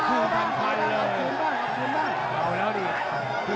กาดเกมสีแดงเดินแบ่งมูธรุด้วย